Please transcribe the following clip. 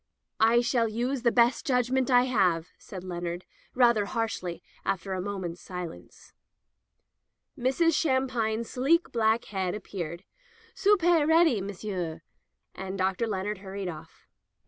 "I shall use the best judgment I have,'' said Leonard rather harshly after a moment's silence. Mrs. Shampine's sleek black head ap peared. "Soopay ready, M'sieu," and Dr. Leonard hurried out.